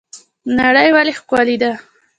نړۍ ولې ښکلې ده؟